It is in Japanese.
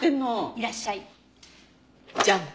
いらっしゃい。じゃん！